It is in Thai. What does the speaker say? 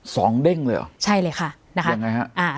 เด้งเลยเหรอใช่เลยค่ะนะคะยังไงฮะอ่า